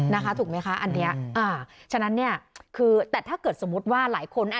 นะคะถูกไหมคะอันเนี้ยอ่าฉะนั้นเนี่ยคือแต่ถ้าเกิดสมมุติว่าหลายคนอ่ะ